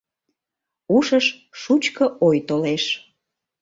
Ушыш шучко ой толеш.